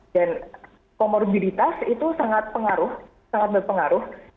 dan comorbiditas itu sangat berpengaruh